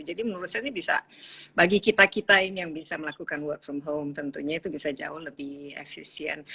jadi menurut saya ini bisa bagi kita kita ini yang bisa melakukan work from home tentunya itu bisa jauh lebih efisien